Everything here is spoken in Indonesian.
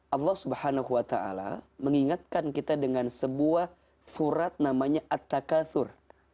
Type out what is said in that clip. allah swt mengingatkan kita dengan sebuah surat namanya attakafur